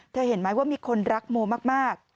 เห็นไหมว่ามีคนรักโมมาก